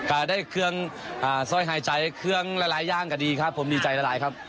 อ่าได้เครื่องอ่าสร้อยหายใจเครื่องหลายหลายอย่างก็ดีครับผมดีใจละลายครับ